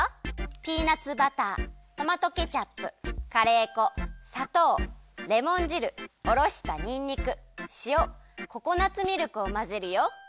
ピーナツバタートマトケチャップカレー粉さとうレモン汁おろしたにんにくしおココナツミルクをまぜるよ。